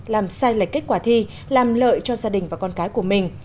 làm sai lệch kết quả thi làm lợi cho gia đình và con cái của mình